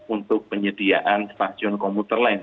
untuk penyediaan stasiun komuter lain